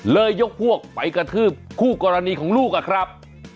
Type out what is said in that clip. ยกพวกไปกระทืบคู่กรณีของลูกอะครับ